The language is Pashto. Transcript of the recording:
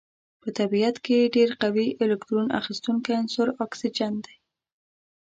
په طبیعت کې ډیر قوي الکترون اخیستونکی عنصر اکسیجن دی.